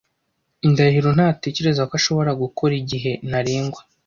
Ndahiro ntatekereza ko ashobora gukora igihe ntarengwa.